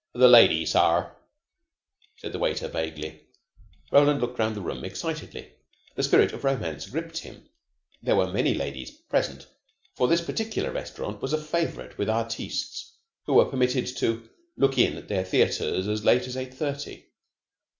"The lady, sare," said the waiter vaguely. Roland looked round the room excitedly. The spirit of romance gripped him. There were many ladies present, for this particular restaurant was a favorite with artistes who were permitted to "look in" at their theaters as late as eight thirty.